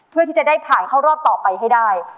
เพื่อที่จะได้ผ่านเข้ารอบต่อไปให้ได้